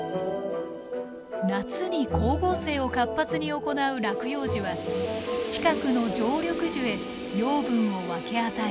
夏に光合成を活発に行う落葉樹は近くの常緑樹へ養分を分け与える。